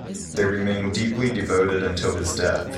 They remained deeply devoted until his death.